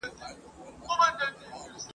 خو خدای دي وکړي چي !.